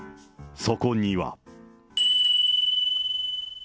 そこには。